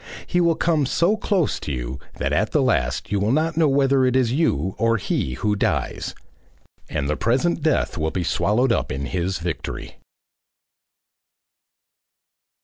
He will come so close to you that at the last you will not know whether it is you or he who dies, and the present death will be swallowed up in his victory.